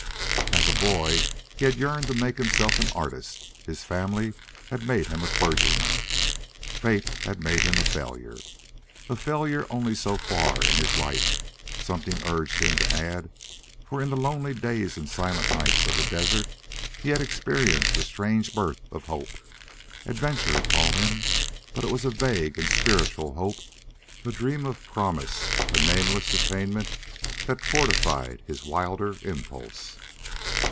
As a boy he had yearned to make himself an artist; his family had made him a clergyman; fate had made him a failure. A failure only so far in his life, something urged him to add for in the lonely days and silent nights of the desert he had experienced a strange birth of hope. Adventure had called him, but it was a vague and spiritual hope, a dream of promise, a nameless attainment that fortified his wilder impulse.